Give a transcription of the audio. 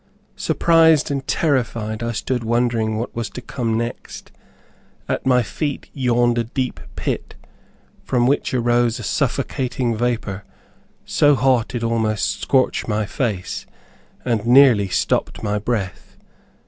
Surprised and terrified, I stood wondering what was to come next. At my feet yawned a deep pit, from which, arose a suffocating vapor, so hot, it almost scorched my face and nearly stopped my breath.